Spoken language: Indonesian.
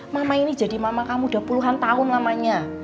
mama ini jadi mama kamu udah puluhan tahun lamanya